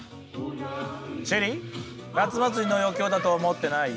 ＳＨＥＬＬＹ夏祭りの余興だと思ってない？